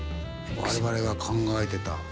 我々が考えてた。